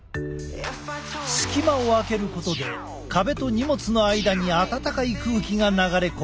隙間を空けることで壁と荷物の間に暖かい空気が流れ込む。